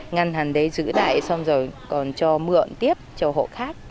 ngăn hàng đấy giữ lại xong rồi còn cho mượn tiếp cho hộ khác